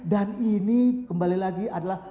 dan ini kembali lagi adalah